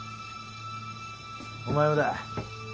お前もだ。